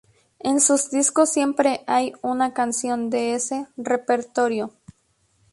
En sus discos siempre hay una canción de ese repertorio.